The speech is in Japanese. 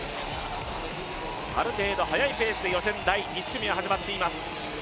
ある程度速いペースで予選第１組が始まっています。